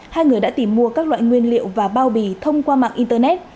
hai người đã tìm mua các loại nguyên liệu và bao bì thông qua mạng internet